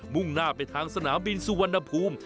่งหน้าไปทางสนามบินสุวรรณภูมิ